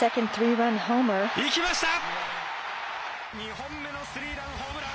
いきました！